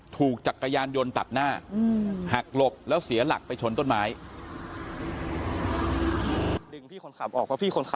จักรยานยนต์ตัดหน้าหักหลบแล้วเสียหลักไปชนต้นไม้